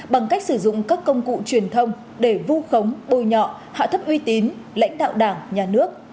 bằng cách sử dụng các công cụ truyền thông để vu khống bôi nhọ hạ thấp uy tín lãnh đạo đảng nhà nước